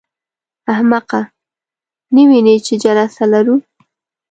احمقه! نه وینې چې جلسه لرو.